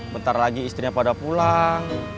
bentar lagi istrinya pada pulang